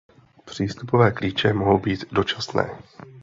Přístupové klíče mohou být dočasné.